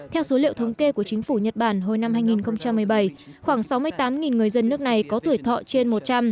theo số liệu thống kê của chính phủ nhật bản hồi năm hai nghìn một mươi bảy khoảng sáu mươi tám người dân nước này có tuổi thọ trên một trăm linh